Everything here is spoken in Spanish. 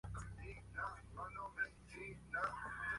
Se creía muy listo pero le dieron gato por liebre